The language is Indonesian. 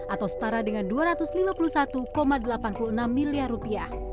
atau setara dengan dua ratus lima puluh satu delapan puluh enam miliar rupiah